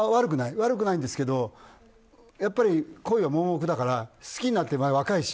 悪くないんですけどやっぱり恋は盲目だから好きになって、若いし。